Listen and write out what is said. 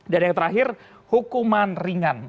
dan yang terakhir hukuman ringan